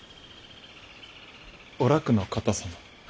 お楽の方様？へへ。